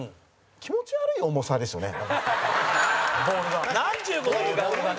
塙：気持ち悪い重さですよね。